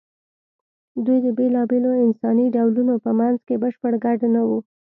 دوی د بېلابېلو انساني ډولونو په منځ کې بشپړ ګډ نه وو.